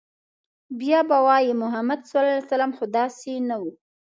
بيا به وايي، محمد ص خو داسې نه و